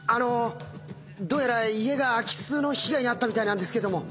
どうやら家が空き巣の被害に遭ったみたいなんですけども。